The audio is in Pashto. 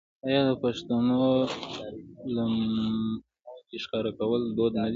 آیا د پښتنو په سیمو کې ښکار کول دود نه دی؟